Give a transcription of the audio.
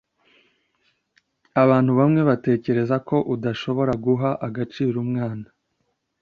Abantu bamwe batekereza ko udashobora guha agaciro umwana.